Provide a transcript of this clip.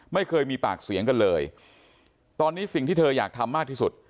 ไม่เคยมีปากเสียงกันเลยตอนนี้สิ่งที่เธออยากทำมากที่สุด